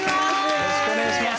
よろしくお願いします。